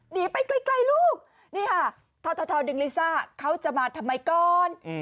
หนีไปใกล้ลูกนี่ค่ะททดึงลิซ่าเขาจะมาทำไมก่อน